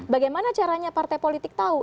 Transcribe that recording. bagaimana caranya partai politik tahu